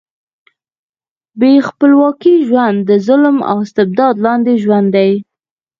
بې خپلواکۍ ژوند د ظلم او استبداد لاندې ژوند دی.